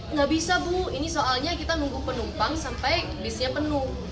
nggak bisa bu ini soalnya kita nunggu penumpang sampai bisnya penuh